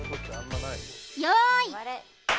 用意